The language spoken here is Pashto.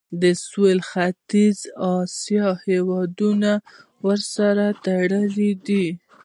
د سویل ختیځې اسیا هیوادونه ورسره تړلي دي.